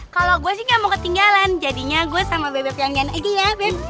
kalau gue sih gak mau ketinggalan jadinya gue sama bebek yang egy ya ben